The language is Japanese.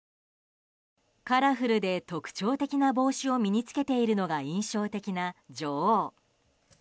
カラフルで特徴的な帽子を身に着けているのが印象的な女王。